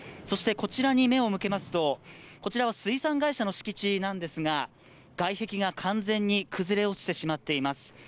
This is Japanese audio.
こちらに目を向けますと、こちらは水産会社の敷地なんですが外壁が完全に崩れ落ちてしまっています。